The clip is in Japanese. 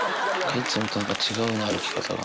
いつもとなんか、違うな、歩き方が。